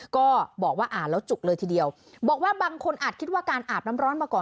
ก็บอกว่าอ่านแล้วจุกเลยทีเดียวบอกว่าบางคนอาจคิดว่าการอาบน้ำร้อนมาก่อน